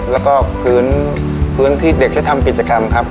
แล้วก็พื้นที่เด็กจะทำกิจกรรมครับ